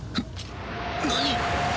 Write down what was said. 何！？